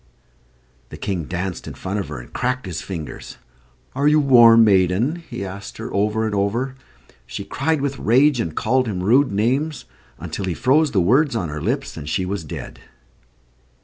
The King danced in front of her, and cracked his fingers. "Are you warm, maiden?" he asked her, over and over. She cried with rage, and called him rude names, until he froze the words on her lips, and she was dead.